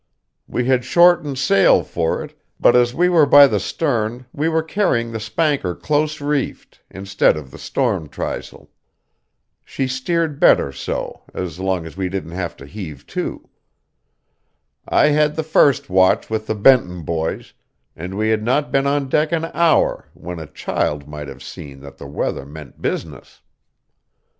We had shortened sail for it, but as we were by the stern we were carrying the spanker close reefed instead of the storm trysail. She steered better so, as long as we didn't have to heave to. I had the first watch with the Benton boys, and we had not been on deck an hour when a child might have seen that the weather meant business.